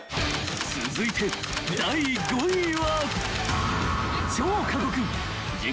［続いて第５位は］